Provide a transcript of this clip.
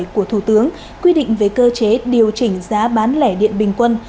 hai nghìn một mươi bảy của thủ tướng quy định về cơ chế điều chỉnh giá bán lẻ điện bình quân